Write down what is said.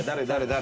誰？